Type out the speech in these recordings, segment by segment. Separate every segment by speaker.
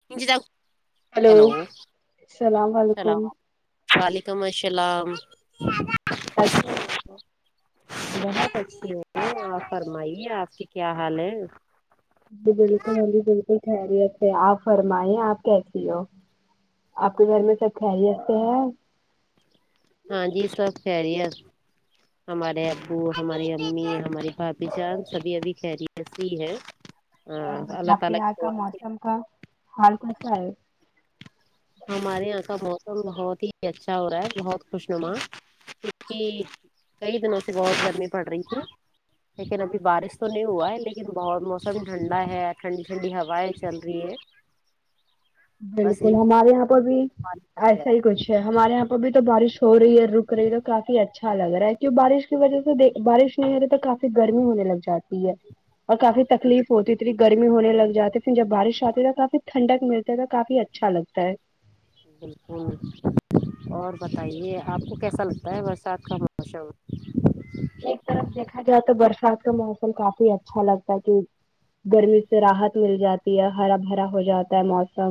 Speaker 1: [unintelligible]
Speaker 2: hello السلام علیکم
Speaker 1: اللام وعلیکم السلام
Speaker 2: کیسے ہے آپ لوگ
Speaker 1: بہت اچھی ہوں آپ فرمائیے آپ کے کیا حال ہے
Speaker 2: جی بالکل ہاں جی بالکل خیریت سے آپ فرمائیں آپ کیسی ہو آپ کے گھر میں سب خیریت سے ہیں
Speaker 1: ہاں جی سب خیریت ہمارے ابو ہماری امی ہماری بھابھی جان سبھی ابھی خیریت سے ہی ہیں
Speaker 2: اور بتاے آپ کے یہاں کا موسم کا حال کیسا ہے
Speaker 1: ہمارے یہاں کا موسم بہت ہی اچھا ہو رہا ہے بہت خوشنما کیوں کہ کئی دنوں سے بہت گرمی پڑ رہی ہو لیکن ابھی بارش تو نہیں ہوا ہے لیکن بہت موسم ٹھنڈا ہے ٹھنڈی ٹھنڈی ہوائیں چل رہی ہیں
Speaker 2: بالکل ہمارے یہاں پر بھی ایسا ہی کچھ ہمارے یہاں پہ بھی تو بارش ہو رہی ہے اور رک رہی ہے تو کافی اچھا لگ رہا ہے کیوں بارش وجہ سے بارش نہیں ہو رہی تو کافی گرمی ہونے لگ جاتی ہے اور کافی تکلیف ہوتی تھی اتنی گرمی ہونے لگ جاتی پھر جب بارش آتی تو کافی ٹھنڈک ملتی چلو کافی اچھا لگتا ہے
Speaker 1: بالکل اور بتائیے آپ کو کیسا لگتا ہے برسات کا موسم
Speaker 2: ایک طرف دیکھا جائے تو برسات کا موسم کافی اچھا لگتا کہ گرمی سے راحت مل جاتی ہے ہرا بھرا ہو جاتا ہے موسم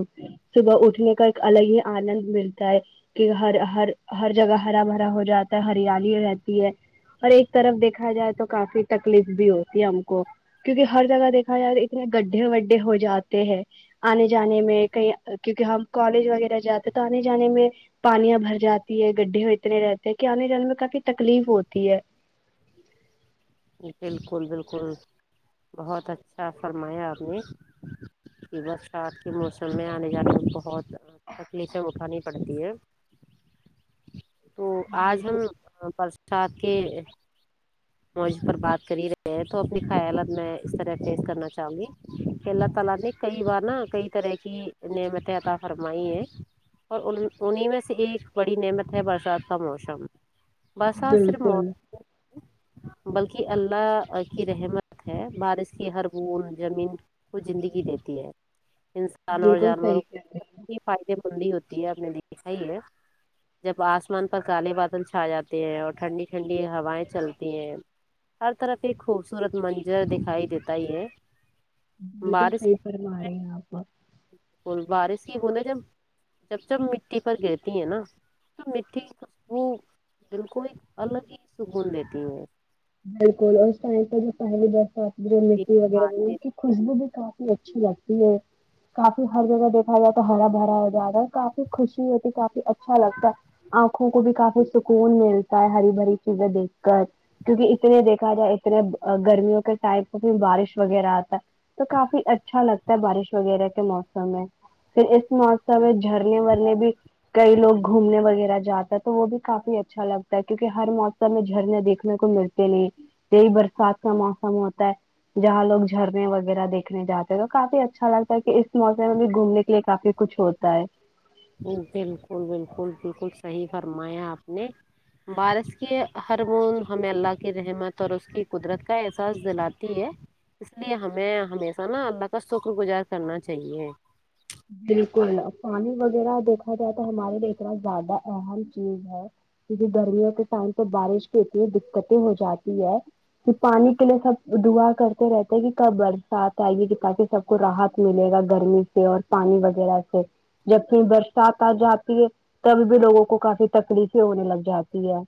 Speaker 2: صبح اٹھنے کا ایک الگ ہی آنند ملتا ہے کہ ہر ہر ہر جگہ ہرا بھرا ہو جاتا ہے ہریالی رہتی ہے اور ایک طرف دیکھا جائے تو کافی تکلیف بھی ہوتی ہے ہم کو کیونکہ ہر جگہ دیکھا جائے تو اتنے گڈھے وڈھے ہو جاتے ہیں آنے جانے میں کہیں کیونکہ ہم کالج وغیرہ جاتے تو آنے جانے میں پانیاں بھر جاتی ہے گڈھے اتنے رہتے ہیں کہ آنے جانے میں کافی تکلیف ہوتی ہے
Speaker 1: بالکل بالکل بہت اچھا فرمایا آپ نے پھر برسات کے موسم میں آنے جانے بہت تکلیفیں اٹھانی پڑتی ہے تو آج ہم
Speaker 2: بالکل
Speaker 1: برسات کے موضوع پر بات کر ہی رہے ہیں تو اپنی خیالات میں اس طرح فیز کرنا چاہوں گی کہ اللہ تعالی نے کئی بار نا کئی طرح کی نعمتیں عطا فرمائی ہے اور ان انہیں میں سے ایک بڑی نعمت ہے برسات کا موشم برسات صرف مو
Speaker 2: بالکل،
Speaker 1: بلکہ اللہ کی رحمت ہے بارش کی ہر بھوند زمین کو زندگی دیتی ہے انسان اور
Speaker 2: بالکل صحیح
Speaker 1: جانوروں
Speaker 2: کہہ رہی ہیں،
Speaker 1: کی فائدے مندی ہوتی ہے آپ نے دیکھا ہی ہے جب آسمان پر کالے بادل چھا جاتے ہیں اور ٹھنڈی ٹھنڈی ہوائیں چل یہ ہر طرف ایک خوبصورت منظر دکھائی دیتا ہی ہے
Speaker 2: بالکل صحیح فرما رہے ہو آپ
Speaker 1: اور بارش ہی بوندھے جب جب جب مٹی پر گرتی ہیں نا تو مٹیھی خوشبو بالکل الگ ہی سکون دیتی ہے
Speaker 2: بالکل اور اس ٹائم تو پہلے برسات جو مٹی وغیرہ
Speaker 1: ایک
Speaker 2: گرتے خوشبو بھی کافی اچھی لگتی ہے کافی ہر جگہ دیکھا جائے تو ہرا بھرا ہو جاتا ہے کافی خوشی ہوتی ہے کافی اچ اچھا لگتا آنکھوں کو بھی کافی سکون ملتا ہے ہری بری چیزیں دیکھ کر کیونکہ اتنے دیکھا جائے اتنے گرمیوں کے ٹائم پے بھی بارش وغیرہ آتا ہے تو کافی اچھا لگتا ہے بارش وغیرہ کے موسم میں پھر اس موسم میں جھرنے ورنے بھی کئی لوگ گھومنے وغیرہ جاتا ہے تو وہ بھی کافی اچھا لگتا ہے کیونکہ ہر موسم میں جھرنے دیک نے کو ملتے نہیں یہی برسات کا موسم ہوتا ہے جہاں لوگ جھرنے وغیرہ دیکھنے جاتے ہیں تو کافی اچھا لگتا ہے کہ اس موسم میں بھی گھومنے کے لیے کافی کچھ ہوتا ہے
Speaker 1: بالکل بالکل بالکل صحیح فرمایا آپ نے بارش کی ہر بوند ہمیں اللہ کی رحمت اور اس کی قدرت کا احساس دلاتی ہے اس لیے ہمیں ہمیشہ نا اللہ کا شکر گزار کرنا چاہیے
Speaker 2: بالکل پانی وغیرہ دیکھا جائے تو ہمارے لیے اتنا زیادہ اہم چیز ہے کیونکہ گرمیوں کے ٹائم پے بارش کے اتی دقتیں ہو جاتی ہے کہ پانی کے لیے سب دعا کرتے رہتے ہیں کہ کب برسات آئے گے دکھاتی سب کو راحت ملے گا گرمی سے اور پانی وغیرہ سے جب کہیں برسات آ جاتی ہے تب بھی لوگوں کو کافی تکلیفیں ہونے لگ جاتی ہے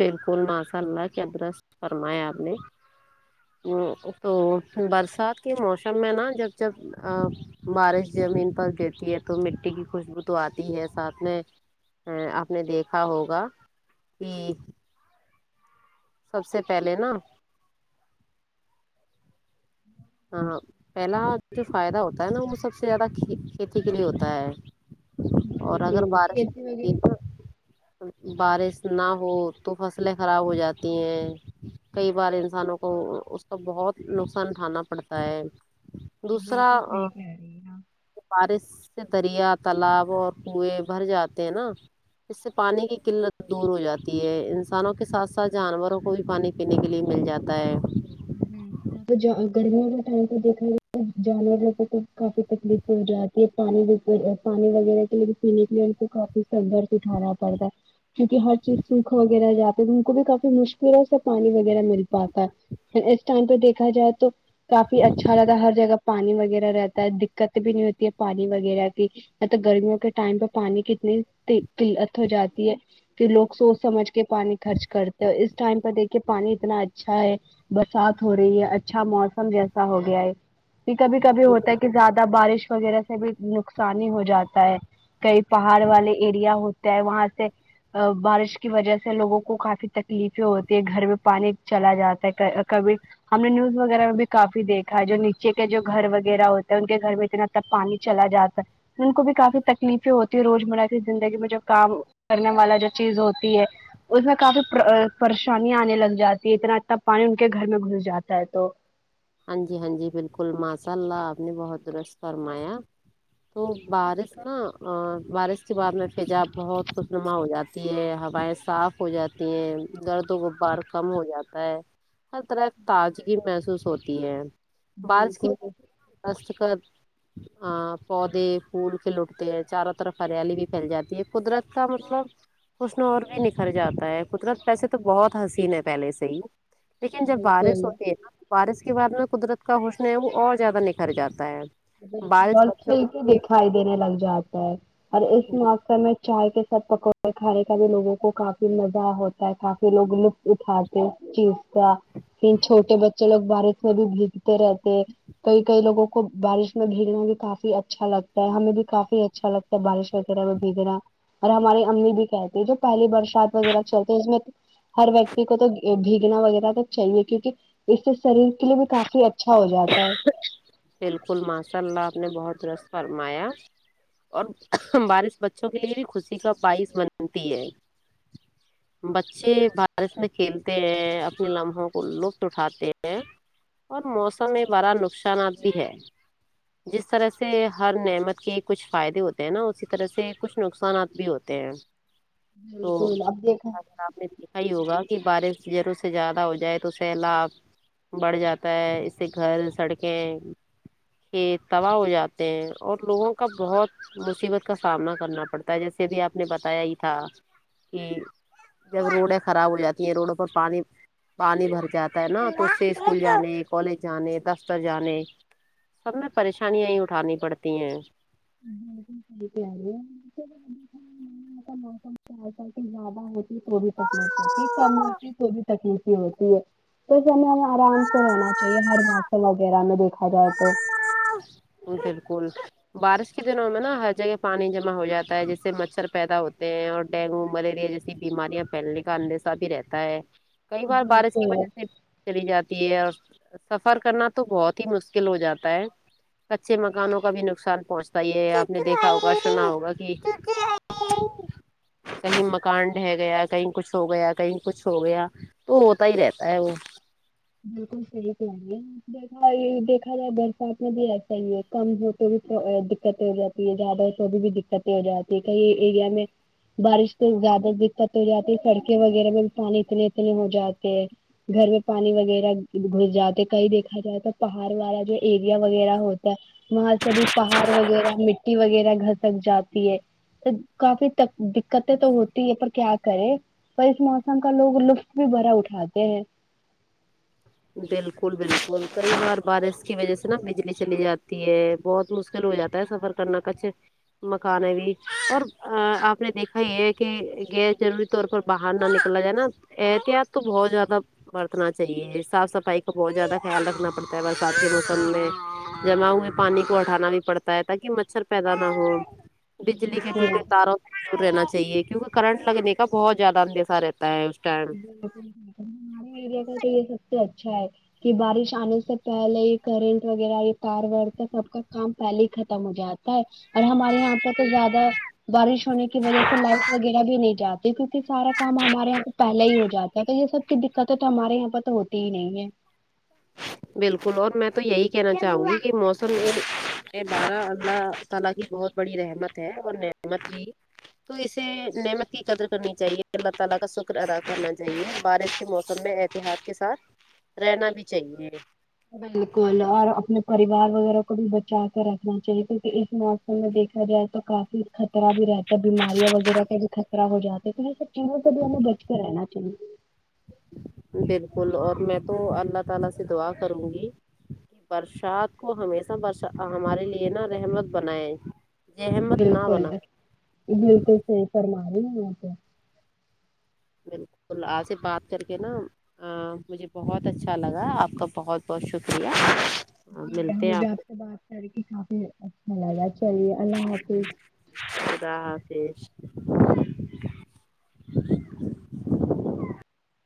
Speaker 1: بالکل ماشاء اللہ کیا درست فرمایا آپ نے وہ تو برسات کے موسم میں نا جب جب ا بارش زمین پر گر اسلئے تو مٹی کی خوشبو تو آتی ہے ساتھ میں آپ نے دیکھا ہوگا جی سب سے پہلے نا ہاں پہلا جو فائدہ ہوتا ہے نا وہ سب سے زیادہ کھیتی کے لیے ہوتا ہے اور اگر
Speaker 2: بالکل
Speaker 1: بارش
Speaker 2: کھیتی
Speaker 1: ہوتی
Speaker 2: وغیرہ
Speaker 1: نا بارش نہ ہو تو فصلیں خراب ہو جاتی ہیں کئی بار انسانوں کو اس کا بہت نقصان اٹھانا پڑتا ہے دوسرا
Speaker 2: بالکل صحیح کہہ رہی ہیں آپ
Speaker 1: بارش سے دریا تالاب اور کنویں بھر جاتے ہیں نا اس سے پانی کی قلت دور ہو جاتی ہے انسانوں کے ساتھ ساتھ جانوروں کو بھی پانی پینے کے لیے مل جاتا ہے
Speaker 2: ہمم یہاں گرمیوں کے ٹائم تو دیکھا جانور لوگوں کو کافی تکلیف ہو جاتی ہے یہ پانی پانی وغیرہ کے لیے پینے کے لیے ان کو کافی سنگرش اٹھانا پڑتا ہے کیونکہ ہر چیز سوکھ وغیرہ جاتی ہے تو ان کو بھی کافی مشکلوں سے پانی وغیرہ مل پاتا ہے اس ٹائم پہ دیکھا جائے تو کافی اچھا لگا ہر جگہ پانی وغیرہ رہتا ہے دقت بھی نہیں ہوتی ہے پانی وغیرہ کی مطلب گرمیوں کے ٹائم پہ پانی کتنی قلت ہو جاتی ہے کہ لوگ سوچ سمجھ کے پانی خرچ کرتے اور اس ٹائم پہ دیکھیے پانی اتنا اچھا ہے برسات ہو رہی ہے اچھا موسم جیسا ہو گیا ہے کہ کبھی کبھی ہوتا ہے کہ زیادہ بارش وغیرہ سے بھی نقصان ہی ہو جاتا ہے کئی پہاڑ والے ایریا ہوتے ہے وہاں سے بارش کی وجہ سے لوگوں کو کافی تکلیفیں ہوتی ہے گھر میں پانی چلا جات کبھی ہم نے نیوز وغیرہ میں بھی کافی دیکھا ہے جو نیچے کے جو گھر وغیرہ ہوتے ہیں ان کے گھر میں اتنا تب پانی چلا جاتا ہے ان کو بھی کافی تکلیفیں ہوتی ہے روزمرہ کی زندگی میں جب کام کرنے والا جو چیز ہوتی ہے اس میں کافی پریشانیاں آنے لگ جاتی ہے اتنا تا پانی ان کے گھر میں گھس جاتا ہے تو
Speaker 1: ہاں جی ہاں جی بالکل ماشاء اللہ آپ نے بہت درست فرمایا تو بارش نا بارش کے بعد میں فجا بہت خوشونما ہو جا تی ہیں ہوائیں صاف ہو جاتی ہیں درد و غبار کم ہو جاتا ہے ہر طرف تازگی محسوس ہوتی ہے بانس کی [unintelligible] ب دستخط ہاں پودے پھول کے لٹتے ہیں چاروں طرف ہریالی بھی پھیل جاتی ہے قدرت کا مطلب اس نے اور بھی نکھر جاتا ہے قدرت پیسے تو بہت حسین ہے پہلے سے ہی لیکن جب بارش ہوتی ہے نا بارش کے بعد میں قدرت کا حسن ہے وہ اور زیادہ نکھر جاتا ہے بارش
Speaker 2: اور
Speaker 1: بچوں
Speaker 2: کھیل کے
Speaker 1: کی
Speaker 2: دکھائی دینے لگ جاتا ہے اور اس موقع میں چائے کے کب پکو کھانے کا بھی لوگوں کو کافی مزہ ہوتا ہے کافی لوگ لطف اٹھاتے ہیں چیز چھوٹے بچے لوگ بارش میں بھی بھیگتے رہتے کئی کئی لوگوں کو بارش میں بھیگنا بھی کافی اچھا لگتا ہے ہمیں بھی کافی اچھا لگتا ہے بارش وغیرہ میں بھیگنا اور ہماری امی بھی کہتی ہیں جو پہلی برسات وغیرہ چلتی ہے اس میں ہر ویکتی کو تو بھیگنا وغیرہ تو چاہیے کیونکہ اس سے شریر کے لیے بھی کافی اچھا ہو جاتا ہے
Speaker 1: بالکل ماشاء اللہ آپ نے بہت درست فرمایا اور بارش بچوں کے لیے بھی خوشی کا پائس بنتی ہے بچے بارش میں کھیلتے ہیں اپنے لمحوں کو لطف اٹھاتے ہیں اور موسم میں بڑا نقصانات بھی ہے جس طرح سے ہر نعمت کے کچھ فائدے ہوتے ہیں نا اسی طرح سے کچھ نقصانات بھی ہو تے ہے
Speaker 2: بالکل اب دیکھا
Speaker 1: آپ نے دیکھا ہی ہوگا کہ بارش دہرے سے زیادہ ہو جائے تو سیلاب بڑھ جاتا ہے اس سے گھر سڑکیں کھیت تباہ ہو جاتے ہیں اور لوگوں کا بہت مصیبت کا سامنا کرنا پڑتا ہے جیسے ابھی آپ نے بتایا ہی تھا کہ جب روڈیں خراب ہو جاتی ہیں روڈوں پر پانی پانی بھر جاتا ہے نا تو اس سے اسکول جانے کالج جانے دفتر جانے سب میں پریشانیاں ہی اٹھانی پڑتی ہیں
Speaker 2: رہ موسم [unintelligible] چار سال کی زیادہ ہوتی تو بھی تکلیف ہوتی کم ہوتی تو بھی تکلیف ہی ہوتی ہے تو اسیں ہمیں آرام سے رہنا چاہیے ہر موسم وغیرہ میں دیکھا جائے تو
Speaker 1: ہاں بالکل بارش کے دنوں میں نا ہر جگہ پانی جمع ہو جاتا ہے جیسے مچھر پیدا ہوتے ہیں اور ڈینگو ملیریا جیسے بیماریاں پھیلنے کا اندیشہ بھی رہتا ہے کئی بار بارش کی
Speaker 2: بالکل
Speaker 1: وجہ سے چلی جاتی ہے اور سفر کرنا تو بہت ہی مشکل ہو جاتا ہے کچھے مکانوں کا بھی نقصان پہنچتا یہ آپ نے دیکھا ہوگا سنا ہوگا کہ کہیں مکان ڈہ گیا کہیں کچھ ہو گیا کہیں کچھ ہو گیا تو ہوتا ہی رہتا ہے وہ
Speaker 2: بالکل صحیح کہ رہی ہے اپ دیکھا دیکھا جائے برسات میں بھی ایسا ہی ہے کم ہوتے بھی دقتیں ہو جاتی زیادہ ہے تو ابھی بھی دقتیں ہو جاتی ہے کئی ایریا میں بارش تو زیادہ دقت ہو جاتی ہے سڑکیں وغیرہ میں بھی پانی اتنے اتنے ہو جاتے ہیں گھر میں پانی وغی رہ گھس جاتے کہیں دیکھا جائے تو پہاڑ والا جو ایریا وغیرہ ہوتا ہے وہاں سے بھی پہاڑ وغیرہ مٹی وغیرہ گھسک جاتی ہے کافی دقتیں تو ہوتی ہے پر کیا کرے پر اس موسم کا لوگ لطف بھی بھرا اٹھاتے ہیں
Speaker 1: بالکل بالکل کئی بار بارش کی وجہ سے نا بجلی چلی جاتی ہے بہت مشکل ہو جاتا ہے سفر خترناک کچھ مکان ہے بھی اور ا آپ نے دیکھا ہی ہے کہ غیرضرور طور پر باہر نہ نکلا جائے نا احتیاط تو بہت زیادہ برتنا چاہیے صاف صفائی کا بہت زیادہ خیال رکھنا پڑتا ہے برسات کے موسم میں جمع ہوئے پانی کو اٹھانا بھی پڑتا ہے تاکہ مچھر پیدا نہ ہو بجلی کٹی تو
Speaker 2: بالکل
Speaker 1: تارو دور رہنا چاہیے کیونکہ کرنٹ لگنے کا بہت زیادہ اندیشہ رہتا ہے اس ٹائم
Speaker 2: ہمارے ایریا کا تو یہ سب سے اچھا ہے کہ بارش آنے سے پہلے ہی کرنٹ وغیرہ یہ تار وار تک سب کا کام پہلے ہی ختم ہو جاتا ہے اور ہمارے یہاں پہ تو زیادہ بارش ہونے کی وجہ سے لائٹ وغیرہ بھی نہیں جاتی کیونکہ سارا کام ہمارے یہاں پہلے ہی ہو جاتا ہے تو یہ سب کی دقتیں تو ہمارے یہاں پر تو ہوتی ہی نہیں ہے
Speaker 1: بالکل اور میں تو یہی کہنا چاہوں گی کہ موسم یہ ا بارہ [unintelligible] اللہ تعالی کی بہت بڑی رحمت ہے اور نعمت بھی تو اسے نعمت کی قدر کرنی چاہیے اللہ تعالی کا شکر ادا کرنا چاہیے بارش کے موسم میں ایسے دیہات کے ساتھ رہنا بھی چاہیے
Speaker 2: بالکل اور اپنے پریوار وغیرہ کو بھی بچا کے رکھنا چاہیے کیونکہ اس موسم میں دیکھا جائے تو کافی خطرہ بھی رہتا ہے بیماریاں وغیرہ کا بھی خطرہ ہو جاتے ہیں تو سب چوروں سے بھی ہمیں بچ کے رہنا چاہیے
Speaker 1: بلکل اور میں تو اللہ تعالی سے دعا کروں گی کہ برسات کو ہمیشہ بر ہمارے لیے نا رحمت بنائے احمت نہ
Speaker 2: بلکل
Speaker 1: بنا
Speaker 2: بلکل صحیح فرما رہی آپ
Speaker 1: بلکل آپ سے بات کر کے نا ہاں مجھے بہت اچھا لگا آپ کا بہت بہت شکریہ آ،
Speaker 2: جی
Speaker 1: ملتے ہیں
Speaker 2: مجھے آپ
Speaker 1: کو
Speaker 2: سے بات کر کہ کافی اچھا لگا چلیے اللہ حافظ
Speaker 1: خدا حافظ